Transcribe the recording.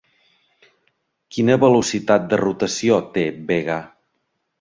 Quina velocitat de rotació té Vega?